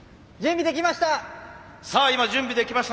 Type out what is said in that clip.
準備できました！